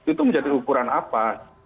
itu menjadi ukuran apa